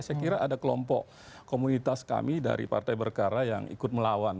saya kira ada kelompok komunitas kami dari partai berkara yang ikut melawan